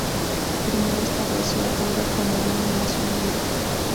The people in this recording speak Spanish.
Primero estableció a Tonga como una nación libre.